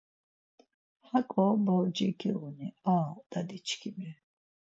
Haǩo borci giğuni a dadiçkimi